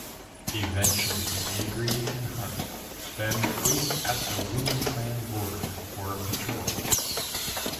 Eventually, they agree and hunt, then wait at the WindClan border for a patrol.